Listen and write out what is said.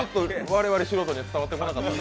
我々素人には伝わってこなかった。